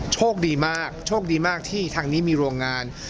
โชคดีมากโชคดีมากที่ทางนี้มีโรงงาน